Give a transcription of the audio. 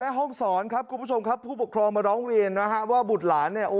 ถึงในห้องสอนครับกลุ่มผู้ชมครับผู้ปกครองมาร้องเกมิวว่าบุรรณม์